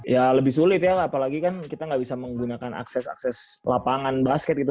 ya lebih sulit ya apalagi kan kita nggak bisa menggunakan akses akses lapangan basket gitu